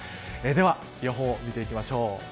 では、予報を見ていきましょう。